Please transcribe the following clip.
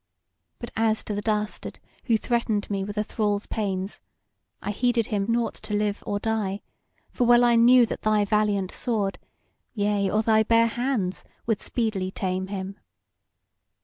But as to the dastard who threatened me with a thrall's pains, I heeded him nought to live or die, for well I knew that thy valiant sword, yea, or thy bare hands, would speedily tame him.